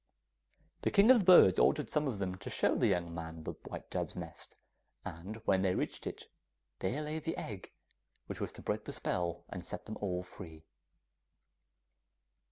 The King of the Birds ordered some of them to show the young man the white dove's nest, and when they reached it, there lay the egg which was to break the spell and set them all free.